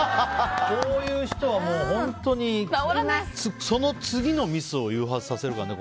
こういう人は本当にその次のミスを誘発させるからね。